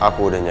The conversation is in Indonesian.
aku boleh leser